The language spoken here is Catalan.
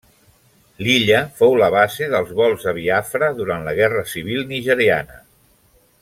L'illa fou la base dels vols a Biafra durant la Guerra Civil nigeriana.